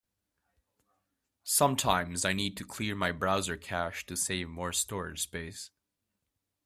Sometines, I need to clear my browser cache to save more storage space.